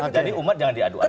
jadi umat jangan diadu adu